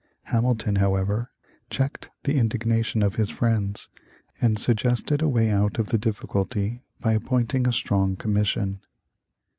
Hamilton, however, checked the indignation of his friends and suggested a way out of the difficulty by appointing a strong commission.